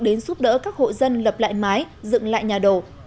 đến giúp đỡ các hộ dân lập lại mái dựng lại nhà đổ